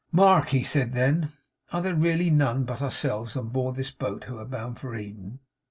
'Mark,' he said then, 'are there really none but ourselves on board this boat who are bound for Eden?